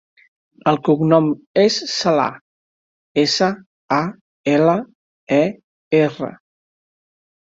El cognom és Salar: essa, a, ela, a, erra.